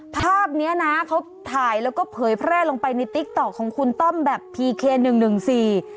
ภาพเนี้ยนะเขาถ่ายแล้วก็เผยแพร่ลงไปในติ๊กต๊อกของคุณต้อมแบบพีเคหนึ่งหนึ่งสี่